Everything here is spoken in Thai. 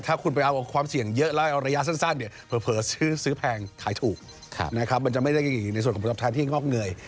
ถ้าคุณไปเอาความเสี่ยงเยอะแล้วเอาระยะสั้นเนี่ยเผลอซื้อแพงขายถูกนะครับมันจะไม่ได้อยู่ในส่วนของผลตอบแทนที่งอกเงย